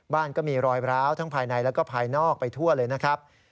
ก็มีรอยร้าวทั้งภายในแล้วก็ภายนอกไปทั่วเลยนะครับ